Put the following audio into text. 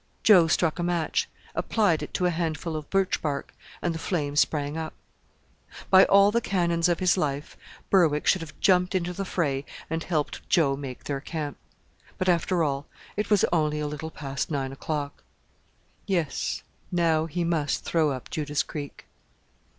Joe struck a match, applied it to a handful of birch bark, and the flame sprang up. By all the canons of his life, Berwick should have jumped into the fray and helped Joe make their camp; but, after all, it was only a little past nine o'clock. Yes. Now he must throw up Judas Creek!